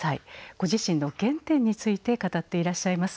ご自身の原点について語っていらっしゃいます。